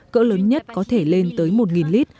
cỡ lớn nhất có thể lên tới một lit